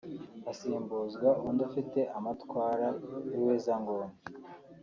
asimbuzwa undi ufite amatwara y’ubuhezanguni